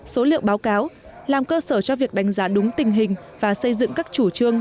số liệu báo cáo làm cơ sở cho việc đánh giá đúng tình hình và xây dựng các chủ trương